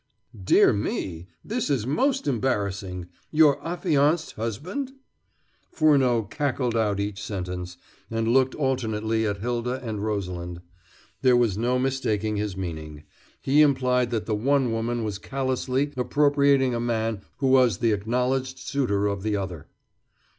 "Dear me! this is most embarrassing. Your affianced husband?" Furneaux cackled out each sentence, and looked alternately at Hylda and Rosalind. There was no mistaking his meaning. He implied that the one woman was callously appropriating a man who was the acknowledged suitor of the other.